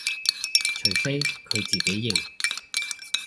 除非佢自己認